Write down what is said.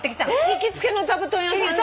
行きつけの座布団屋さんで？